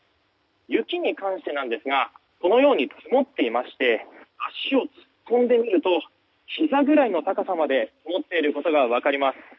雪に関してなんですがこのように、積もっていまして足を突っ込んでみるとひざぐらいの高さまで積もっていることが分かります。